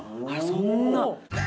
あらそんな。